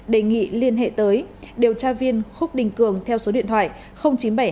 đề nghị liên hệ tới điều tra viên khúc đình cường theo số điện thoại chín trăm bảy mươi hai ba trăm năm mươi chín bốn trăm tám mươi ba